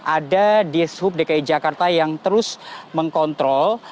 ada ds hub dki jakarta yang terus mengkontrol